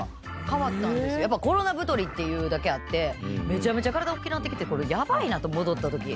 コロナ太りっていうだけあってめちゃめちゃ体おっきなってこれヤバいなと戻ったとき。